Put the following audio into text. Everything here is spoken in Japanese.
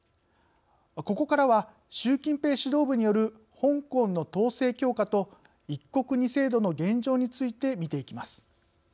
ここからは、習近平指導部による香港の統制強化と「一国二制度」の現状について見ていきます。